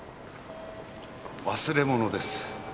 忘れ物です。